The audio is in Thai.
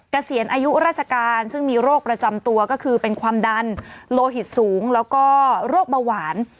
เกษียณอายุราชการซึ่งมีโรคประจำตัวก็คือเป็นความดันโลหิตสูงแล้วก็โรคเบาหวาน